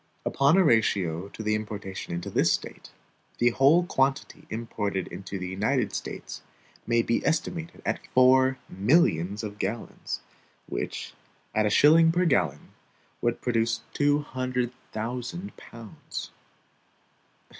Upon a ratio to the importation into this State, the whole quantity imported into the United States may be estimated at four millions of gallons; which, at a shilling per gallon, would produce two hundred thousand pounds.